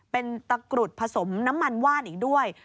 เป็นตะกรุดผสมน้ำมันว่านอีกด้วย